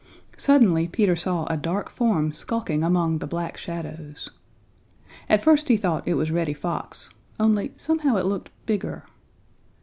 Suddenly Peter saw a dark form skulking among the Black Shadows. At first he thought it was Reddy Fox, only somehow it looked bigger.